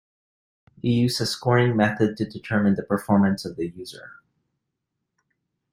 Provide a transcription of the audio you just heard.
It used a scoring method to determine the performance of the user.